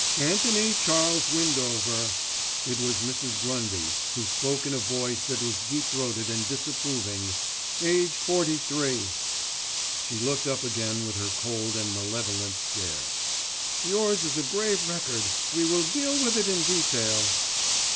"Anthony Charles Windover," it was Mrs. Grundy who spoke in a voice that was deep throated and disapproving, "age forty three." She looked up again with her cold and malevolent stare; "yours is a grave record; we will deal with it in detail."